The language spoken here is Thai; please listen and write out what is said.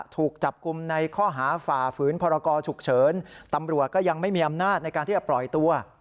ถูกจับกลุ่มในข้อหาฝ่าฝืนพรกรฉุกเฉินตำรวจก็ยังไม่มีอำนาจในการที่จะปล่อยตัว